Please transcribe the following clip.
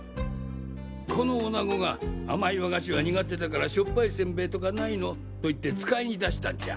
この女子が「甘い和菓子は苦手だからしょっぱいせんべいとかないの？」と言って使いに出したんじゃ。